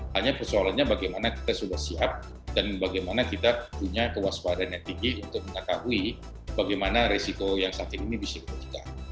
hanya persoalannya bagaimana kita sudah siap dan bagaimana kita punya kewaspadaan yang tinggi untuk mengetahui bagaimana risiko yang sakit ini bisa kita